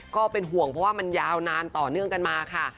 ก็เป็นห่วงเพราะว่ามันยาวนานต่อเนื่องกันมาค่ะ